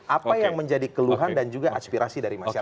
apa yang menjadi keluhan dan juga aspirasi dari masyarakat